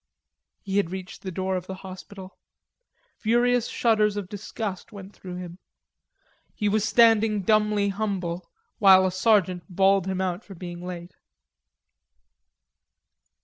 He had reached the door of the hospital. Furious shudders of disgust went through him. He was standing dumbly humble while a sergeant bawled him out for being late.